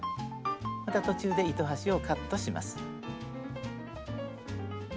また途中で糸端をカットします。